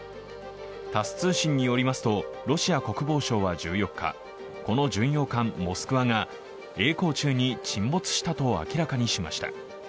タス通信によりますと、ロシア国防省は１４日、この巡洋艦「モスクワ」がえい航中に沈没したと明らかにしました。